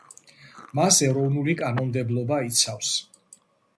მას ეროვნული კანონმდებლობა იცავს.